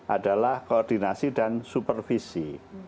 adalah koordinasi dan supervisi